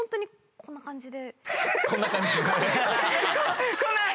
こんな感じで。